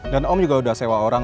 dan om juga udah sewa orang